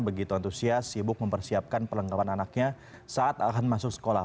begitu antusias sibuk mempersiapkan pelengkapan anaknya saat akan masuk sekolah